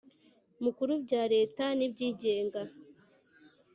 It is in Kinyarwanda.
Makuru bya Leta n iby Igenga